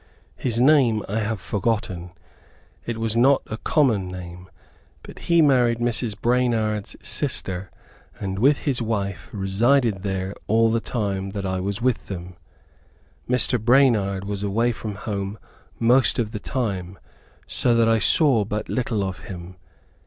His name I have forgotten; it was not a common name, but he married Mrs. Branard's sister, and with his wife resided there all the time that I was with them. Mr. Branard was away from home most of the time, so that I saw but little of him.